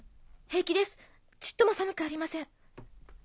平気ですちっとも寒くありません。